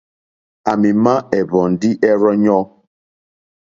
À mì má ɛ̀hwɔ̀ndí ɛ́rzɔ́ŋɔ́.